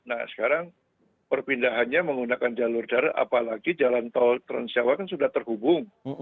nah sekarang perpindahannya menggunakan jalur darat apalagi jalan tol transjawa kan sudah terhubung